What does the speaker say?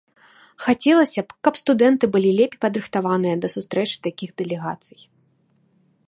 Хацелася б, каб студэнты былі лепей падрыхтаваныя да сустрэчы такіх дэлегацый.